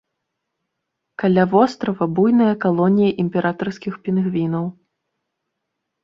Каля вострава буйныя калоніі імператарскіх пінгвінаў.